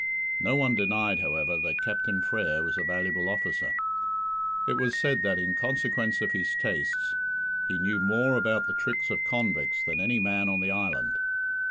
No one denied, however, that Captain Frere was a valuable officer. It was said that, in consequence of his tastes, he knew more about the tricks of convicts than any man on the island.